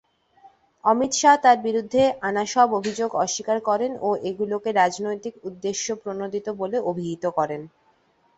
অমিত শাহ তার বিরুদ্ধে আনা সব অভিযোগ অস্বীকার করেন ও এগুলোকে রাজনৈতিক উদ্দেশ্যপ্রণোদিত বলে অভিহিত করেন।